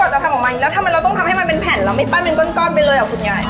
มันไม่ง่ายเลยนะถ้าต้องทำให้เป็นแผ่นเราไม่ต้องเป็นก้อนไปเลยหรอคุณยาย